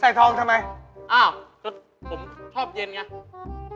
ทองทำไมอ้าวก็ผมชอบเย็นไง